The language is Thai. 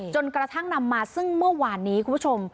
จนกระทั่งนำมาซึ่งเมื่อวานนี้คุณผู้ชม